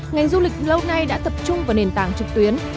ngành du lịch lâu nay đã tập trung vào nền tảng trực tuyến